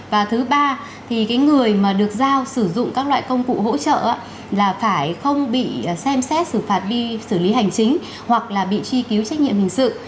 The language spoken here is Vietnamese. và thứ ba người được giao sử dụng các loại công cụ hỗ trợ phải không bị xem xét xử phạt đi xử lý hành chính hoặc bị truy cứu trách nhiệm hình sự